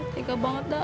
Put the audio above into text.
tiga banget dah